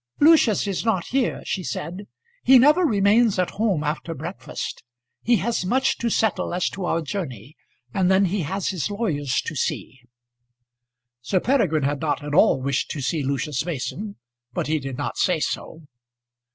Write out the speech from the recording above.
"Lucius is not here," she said. "He never remains at home after breakfast. He has much to settle as to our journey; and then he has his lawyers to see." Sir Peregrine had not at all wished to see Lucius Mason, but he did not say so.